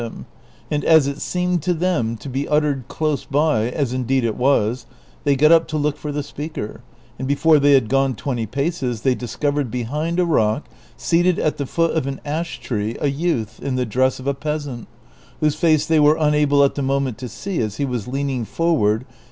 him, and as it seemed to them to be uttered close by, as indeed it was, they got up to look for the speaker, and before they had gone twenty paces they discovered behind a rock, seated at the foot of an ash tree, a youth in the dress of a peasant, whose face they were unable at the moment to see as he was leaning forward.